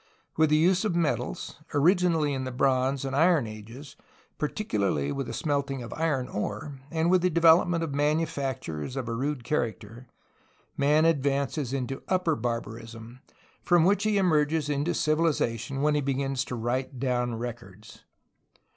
With the use of metals, originally in the bronze and iron ages, particularly with the smelting of iron ore, and with the development of manufactures of a rude character, man advances into upper barbarism., from which he emerges into civilization when he begins to write down records.